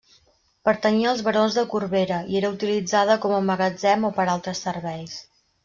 Pertanyia als barons de Corbera i era utilitzada com a magatzem o per altres serveis.